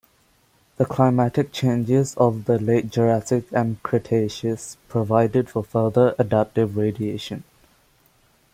The climatic changes of the late Jurassic and Cretaceous provided for further adaptive radiation.